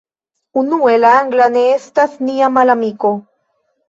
Unue, la angla ne estas nia malamiko.